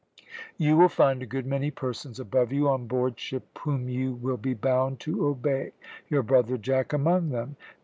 You will find a good many persons above you on board ship whom you will be bound to obey your brother Jack among them.